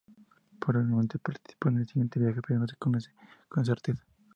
Probablemente participó en el siguiente viaje pero no se conoce con certeza.